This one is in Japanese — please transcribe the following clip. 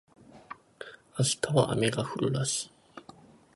明日は雨が降るらしい